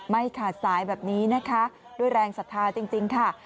ไม่ขาดสายแบบนี้นะคะด้วยแรงศรัทธาจริงค่ะ